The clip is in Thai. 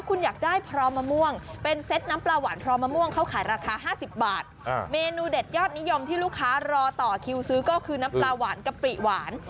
กระปุกเล็กกระปุกใหญ่ว่ากันไป